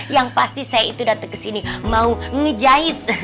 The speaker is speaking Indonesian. yang pasti saya itu dateng kesini mau ngejahit